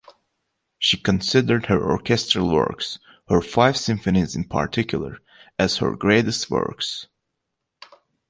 She considered her orchestral works, her five symphonies in particular, as her greatest works.